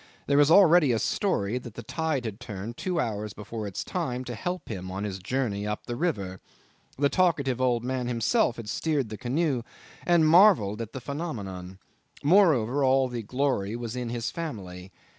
There was already a story that the tide had turned two hours before its time to help him on his journey up the river. The talkative old man himself had steered the canoe and had marvelled at the phenomenon. Moreover, all the glory was in his family.